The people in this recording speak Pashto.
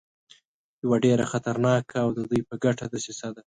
یوه ډېره خطرناکه او د دوی په ګټه دسیسه ده.